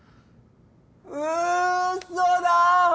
うっそだ！